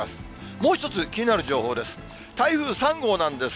もう一つ気になる情報です。